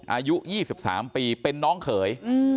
อายุ๒๓ปีเป็นน้องเขย